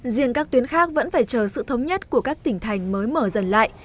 riêng các tuyến khác vẫn phải chờ sự thống nhất của các tỉnh thành mới mở dần lại